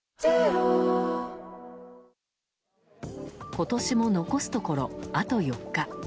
今年も残すところ、あと４日。